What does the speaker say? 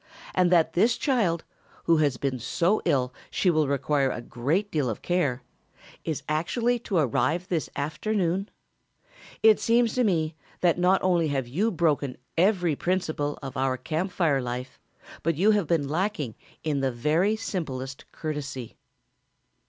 And that this child, who has been so ill she will require a great deal of care, is actually to arrive this afternoon? It seems to me that not only have you broken every principle of our Camp Fire life but you have been lacking in the very simplest courtesy."